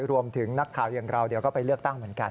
รวมถึงนักข่าวอย่างเราเดี๋ยวก็ไปเลือกตั้งเหมือนกัน